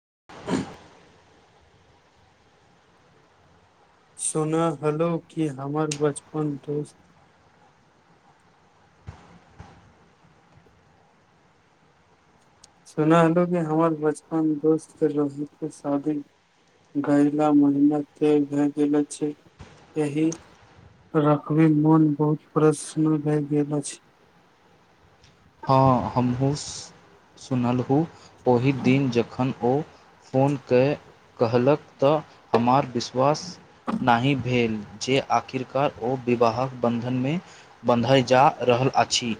[unintelligible] सुनऽ हलौ कि हमर बचपन दोस्त। सुनालो हमर बचप। अपन दोस्त रहै के शादी गयला महिना तय भए गेल छै, एहि रखबै मोन बहुत प्रश्न्न भए गेल अछि। सुनलहु। ओहि दिन जखन। ओ फोन कय कहलक तऽ हमर। विश्वास नहि भेल। जे आखिरकार ओ विवाहक बंधन में बंधैय जा रहल अछि।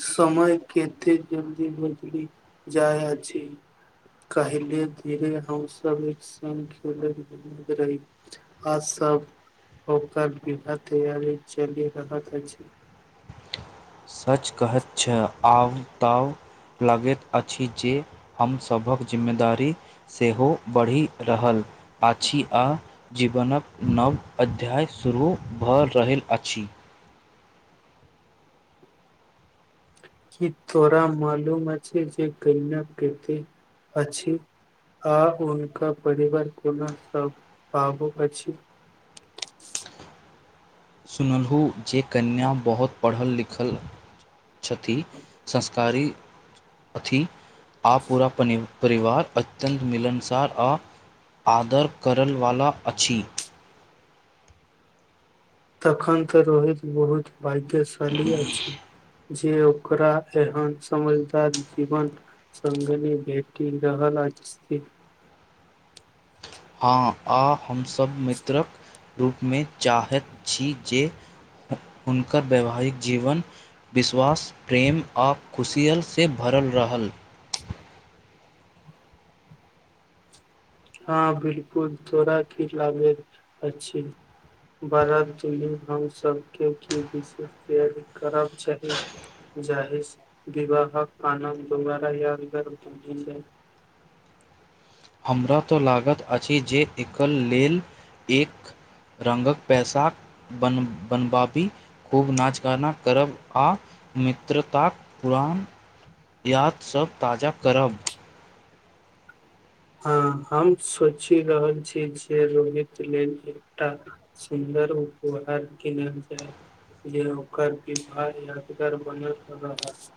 समय कते जल्दी बदलि जाइ अछि, कहिले धीरे हमसब एक संग खेल रही आ सब ओकर विवा तैयारी चलि रहल अछि। सच कहैत छै, आब तउ लगैत अछि जे हमसभक जिम्मेदारी सेहो बढ़ि रहल अछि आ जीवनक नव अध्याय शुरू भऽ रहल अछि। कि तोरा मालूम अछि जे कहिना कते अछि आ हुनका परिवार कोनो स भाब अछि। सुनलहु जे कन्या बहुत पढ़ल-लिखल छथि संस्कारी अथी। आ पूरा पनी। परिवार अत्यन्त मिलनसार आ आदर करलवला अछि। तखन तऽ रोहित बहुत। भाग्यशाली अछि। जे ओकरा एहन समझदार जीवनसंगिनी भेटि रहल अछि। हँ आ। हमसब मित्रक रूप में चाहैत छी जे। हुनकर वैवाहिक जीवन। विश्वास प्रेम। आब खुशियलसँ भरल रहल। हँ बिल्कुल, तोरा की लागे अछि बरात में हमसभके की विशेष तैयारी करब चाही, जाहि विवाहक आनन्द दुबारा यादगार ब जाय। हमरा तऽ लागैत अछि जे। एकर लेल एक रङ्गके पैसाक बन बनबाबी खूब नाच- गाना करब आ मित्रताक पुरान याद सब ताजा करब। हँ हम सोचि रहल छी जे रोहित लेल एकटा सुन्दर उपहार किनल जाय, जे ओकर विवाह यादगार बनल रहत।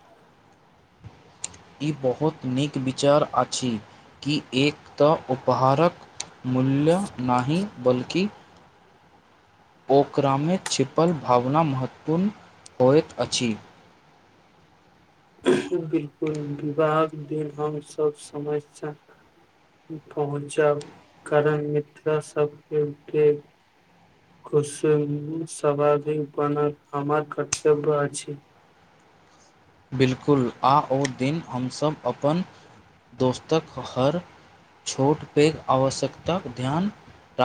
ई बहुत नीक। विचार अछि कि एक तऽ उपहारक। मूल्य नहि बल्कि। ओकरामें छिपल भावना महत्वपूर्ण होइत अछि। बिलकुल विवाहक दिन हमसभ समयस पहुँचब कारण मित्र सबके खुशी में [unintelligible] बनब हमर कर्तव्य अछि। बिलकुल आ ओ दिन हमसभ अपन दोस्तक हर छोट पैघ आवश्यकताक ध्यान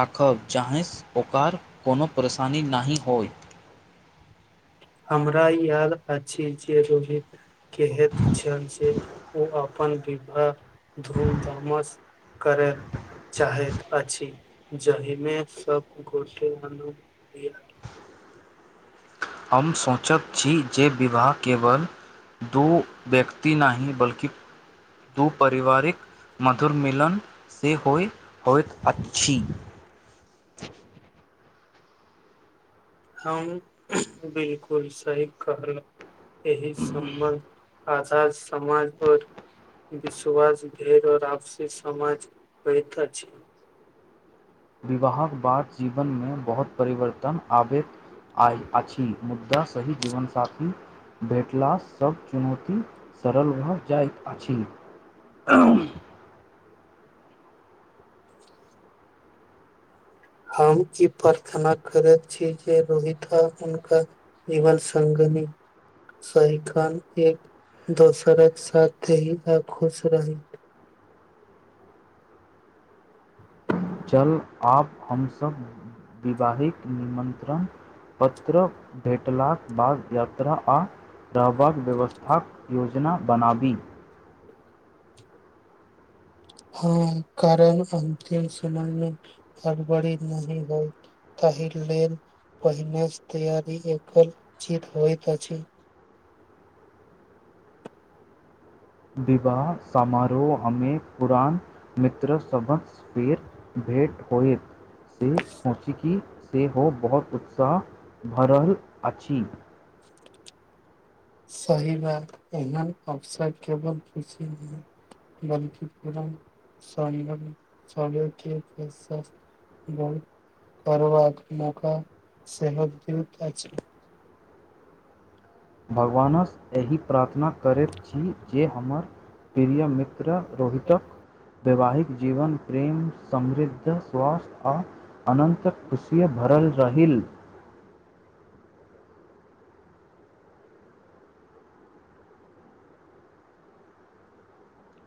राखब जाहिंस ओकार कोनो परेशानी नाहि होई हमरा याद अछि जे रोहित केहेत छल जे ओ अपन विवाह धूम धामस करय चाहैत अछि जाहिमे सब गोटे [unintelligible] हम सोंचत छी जे विवाह केवल दु व्यक्ति नाहि बल्कि दू परिवारिक मधुर मिलन से होई होइत अछि। हॅं, बिलकुल सही कहलहुॅं। एहि समबन्ध आदर्श समाज आऔर विश्वास [unintelligible] आऔर आपसी समझ बढैत अछि। विवाहक बाद जीवन मे बहुत परिवर्तन आबैत आई अछी मुद्दाास सही जीवनसाथी भेटला सब चुनौती सरल भऽ जाइत अछि। अंहह हम ई प्रार्थना करैत छी जे रोहित आ उनका जीवन संगिनी सदिखन एक दोसरक साथे रहि आ खुश रही। चलु आब हमसभ विवाहिक निमन्त्रण पत्र भेटला बाद यात्रा आ रहबाक व्यवस्थाक योजना बनाबी। हँ, कारण अन्तिम समयमें हड़बड़ी नहि होई ताहि लेल पहिनेस तैयारी देखब उचित होइत अछि। विवाह समारोहमे पुरान मित्र सभस फेर भेँट होयत। से सोचीं की सेहो बहुत उत्साह भऽ रहल अछि। सही बात एहन अवसर केवल खुशी [unintelligible] संगे [unintelligible] करबाक मौका सेहो देत अछि। भगवानसँ एहि प्रार्थना करैत छी जे हमर प्रिय मित्र रोहित वैवाहिक जीवन प्रेम, समृद्ध, स्वास्थ्य आ अनन्तक खुशी भरल जाहील।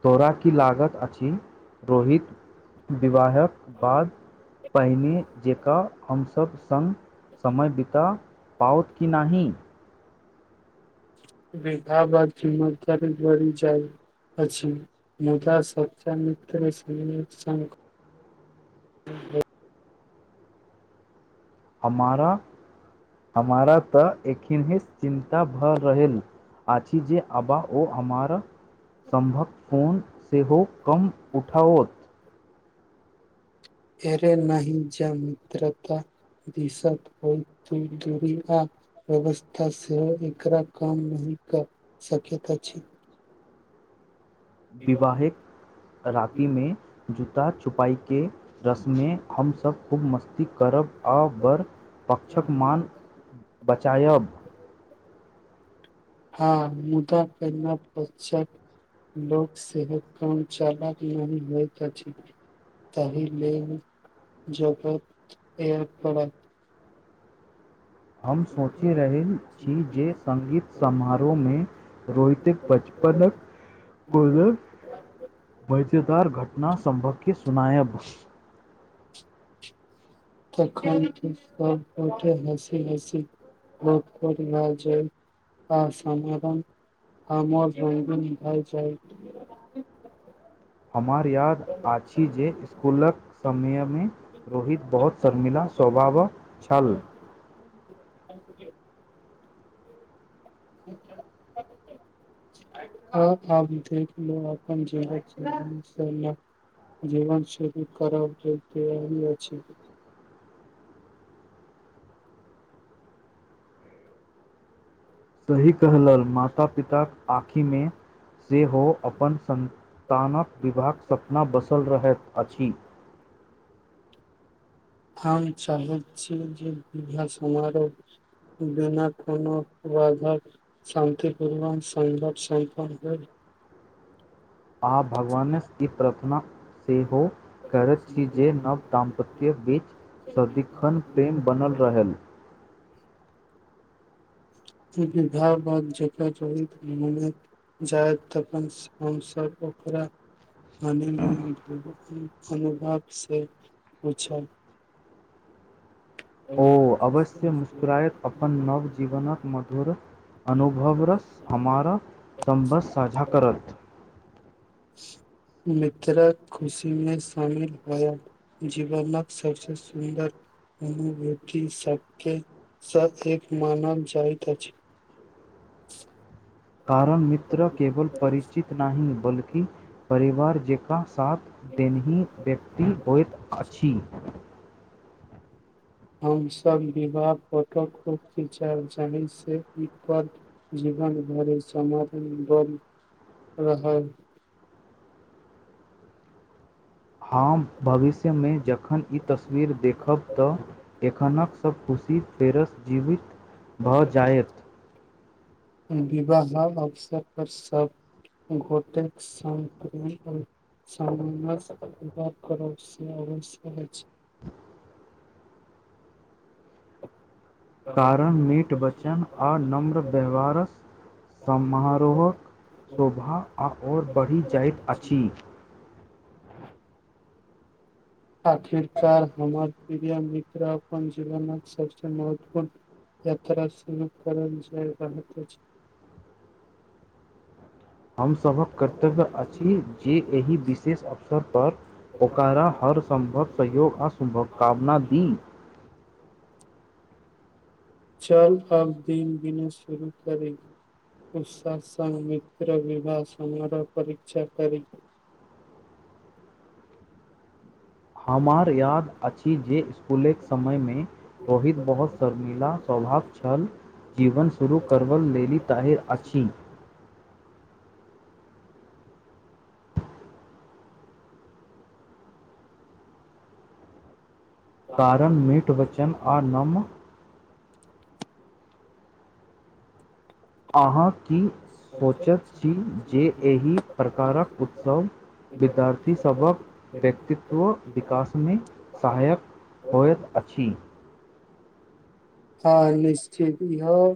तोरा की लागत अछि रोहित। विवाहक बाद। पहिने जकाँ हमसब सङ्ग समय बिता पाओत कि नहि। बेकार बाद जिम्मेदारी जाइ अछि मुदा सच्चा मित्र। हमारा हमारा तऽ एखनेहे सं चिन्ता भऽ रहेल आछि जे अबा ओ हमारा समभक फोन सेहो कम उठाओत। अरे नहि जं मित्रता [unintelligible] होइ त दूरी आ व्यवस्था सेहो एकरा कम नहि कर सकैत अछि। विवाहेक राति मे जु ता छुपाई के रस्म में हमसब खूब मस्त करब आ बड़ पक्षक मान बचायब। हँ मुदा कन्या पक्षक लोक सेहो काम चालक नहि होइत अछि, तहि लेल जग पड़त। हम सोचि रहल छी जे संगीत समारोह में रोहितक बचपनक कोनो तखन मजेदार घटना सभके सुनायब। तखन त सब गोटे हँसी-हँसी भ भ जा आ समाधान हमर लग भ जायत। हमरा याद अछि जे इस्कुलक समय में रोहित बहुत शर्मिला स्वभाव छल। आ आ विधेक अपन ज जीवन शुरू कर अछि। सही कहलऽ माता-पिताक आँखि में सेहो अपन संतानक विवाहक सपना बसल रहैत अछि। हम चाहैत छी जे विवाह समारोह बिना कोनो बाधा शान्तिपूर्वण संघट सम्पन्न हो। आ भगवानेसँ ई प्रार्थना। सेहो करैत छी जे नव-दाम्पत्य बीच। सदिखन प्रेम बनल रहल। विवाह बाद जकरा मने जाय तखन हमसब ओकरा हनीमुन अनुभव से पूछब। ओ अवश्य मुस्कुराएत, अपन नव-जीवनक मधुर अनुभव रस हमर सम्भस साझा करत। मित्रक खुशी में शामिल होयब, जीवनक सबसे सुन्दर अनुभूति सबकेसँ एक मानल जाइत अछि। कारण मित्र केवल परिचित नहि बल। कि परिवार जेका। साथ देनहि व्यक्ति होइत अछि। हमसभ विवाह फटोक खिचय जाहि से एकपर जीवन भरि समर्थ बल रहल। हम भविष्य में जख। एखन ई तस्वीर देखब तऽ। एखनक सब खुशी फेरसँ जीवित। भऽ जायत। विवाहक अवसर पर सब घोटेक संग सामंजस्य करय से अवश्यक अछि। कारण मीट वचन आ नम्र व्यवहारक, समारोहक शोभा आओर बढ़ि जाइत अछि। आखिरकार हमर प्रिय मित्र अपन जीवनक सबसे महत्वपूर्ण यात्रा शुरू करल जा रहत अछि। हमसभक कर्तव्य अछि जे एहि विशेष अवसर पर। ओकारा हर सम्भव सहयोग आ शुभकामना दी। चल अब दिन-दिन शुरू करी उ स मित्र विवाह समारोह परीक्षा करी। हमार याद अछि जे इस्कुलक समय में रोहित बहुत शर्मिला स्वभाव छल, जीवन शुरू करब लेली ताहिर अछि। कारण मीठ वचन आ नम। अहाँ। की सोचैत छी जे एहि प्रकारक उत्सव विद्यार्थीसभके व्यक्तित्व विकास में सहायक होइत अछि। हँ निश्चित भ ह।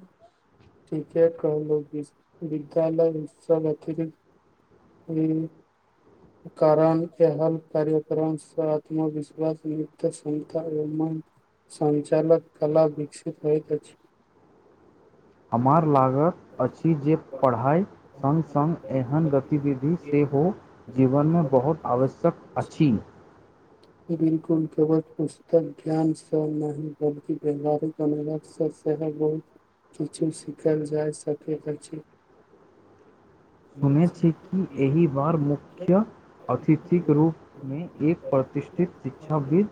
ठीके कहलहु, विद्यालय उत्सव अतिरिक्त ई कारण एहल कार्यक्रमसँ आत्मविश्वास न्त कता एव सञ्चालक कला विकसित होइत अछि। हमार लाग। करत अछि जे पढ़ाइ सङ्ग-सङ्ग एहन गतिविधि सेहो जीवन में बहुत आवश्यक अछि। बिल्कुल, केवल पुस्तक ज्ञान से नहि बल्कि व्यहारिक अनुभव बहुत किछु सिखल जाय। सभके करै छी। सुनैत छी कि एहि बार मुख्य अतिथिक रूप में एक प्रतिष्ठित शिक्षाविद्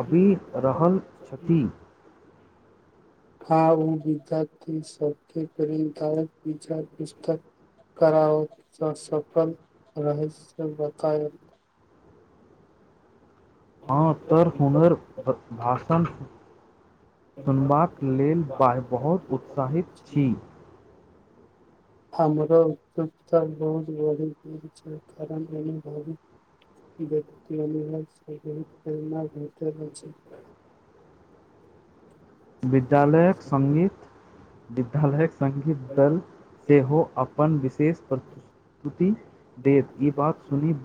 आबि रहल छथि। हँ ओ विद्यार्थी सबके प्रिदायक विचार पुस्तक करओ सफल रहै से बतायब। हँ त हुनर। भाषण सुनबाक लेल बहुत उत्साहित छी। हमरो उतयोगता बहुत बड़ी द छै कारण अनुभवी व्यक्ति अनुभव प्रेरणा भेटल अछि। बिट। विधालयक अछि सङ्गीत। विद्यालयक संगीत। सेहो अपन विश। शेष प्रस्तुति देत। ई बात सुनी बहऽ।